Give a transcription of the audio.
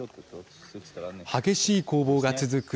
激しい攻防が続く